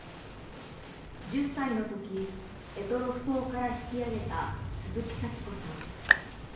１０歳の時、択捉島から引き揚げた鈴木咲子さん。